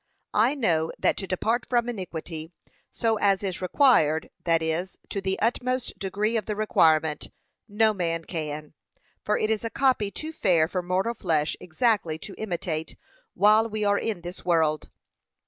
I know that to depart from iniquity so as is required, that is, to the utmost degree of the requirement, no man can, for it is a copy too fair for mortal flesh exactly to imitate while we are in this world.